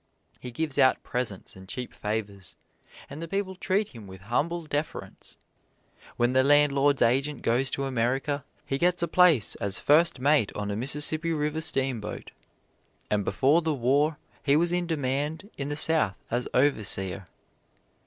He gives out presents and cheap favors, and the people treat him with humble deference. When the landlord's agent goes to America he gets a place as first mate on a Mississippi River Steamboat; and before the War he was in demand in the South as overseer.